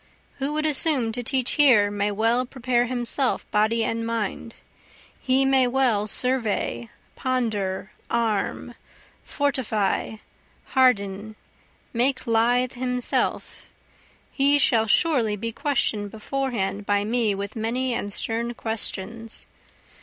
Who would assume to teach here may well prepare himself body and mind, He may well survey, ponder, arm, fortify, harden, make lithe himself, He shall surely be question'd beforehand by me with many and stern questions.